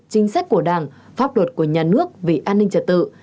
chính sách của đảng pháp luật của nhà nước về an ninh trật tự